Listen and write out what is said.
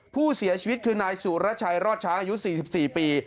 ผู้เสียชีวิตคือนายสุรชัยรอดช้างอายุ๔๔ปี